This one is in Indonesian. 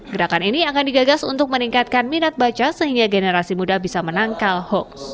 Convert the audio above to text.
gerakan ini akan digagas untuk meningkatkan minat baca sehingga generasi muda bisa menangkal hoax